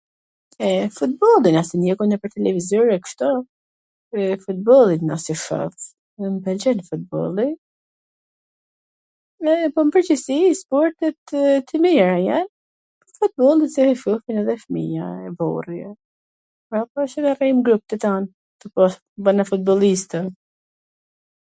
E futbollin se e ndjekim nwpwr televizor e kshtu, e futbollin na si shof, m pwlqen futbolli, e po n pwrgjithsi sportet t mira jan, futbolli se e shofin edhe fmija , burri, pra e shohim n grup tw tan, bwhena futbollista.